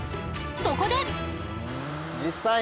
そこで！